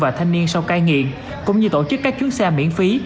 và thanh niên sau cai nghiện cũng như tổ chức các chuyến xe miễn phí